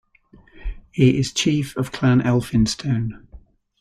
He is Chief of Clan Elphinstone.